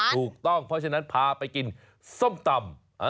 ถูกต้องเพราะฉะนั้นพาไปกินส้มตำ